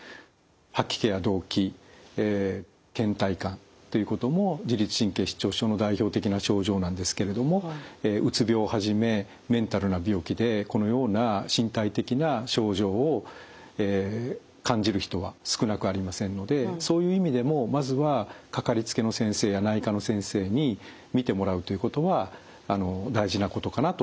吐き気や動悸倦怠感ということも自律神経失調症の代表的な症状なんですけれどもうつ病をはじめメンタルな病気でこのような身体的な症状を感じる人は少なくありませんのでそういう意味でもまずはかかりつけの先生や内科の先生に診てもらうということは大事なことかなと思います。